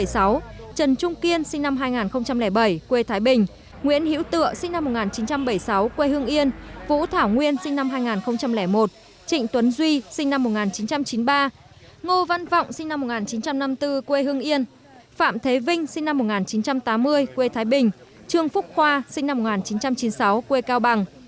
trần trung kiên sinh năm hai nghìn bảy quê thái bình nguyễn hiễu tựa sinh năm một nghìn chín trăm bảy mươi sáu quê hương yên vũ thảo nguyên sinh năm hai nghìn một trịnh tuấn duy sinh năm một nghìn chín trăm chín mươi ba ngô văn vọng sinh năm một nghìn chín trăm năm mươi bốn quê hương yên phạm thế vinh sinh năm một nghìn chín trăm tám mươi quê thái bình trương phúc khoa sinh năm một nghìn chín trăm chín mươi sáu quê cao bằng